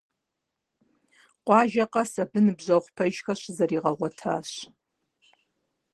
Къуажэ къэс абы ныбжьэгъу пэжхэр щызригъэгъуэтащ.